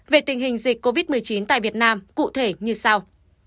về tình hình dịch covid một mươi chín tại việt nam cụ thể như sau